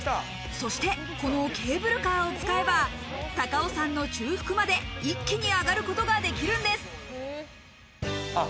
そしてこのケーブルカーを使えば高尾山の中腹まで一気に上がることができるんですあっ